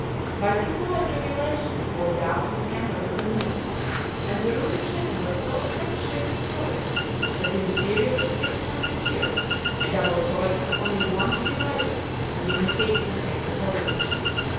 By this wise regulation, all doubt and scandal were removed, and the root of schism was so effectually destroyed, that in a period of six hundred years a double choice has only once divided the unity of the sacred college.